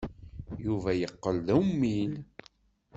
Yuba yeqqel d ummil.